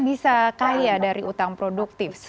bisa kaya dari utang produktif